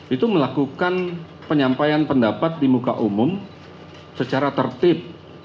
itu melakukan penyampaian pendapat di muka umum secara tertib